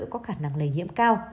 có khả năng lây nhiễm cao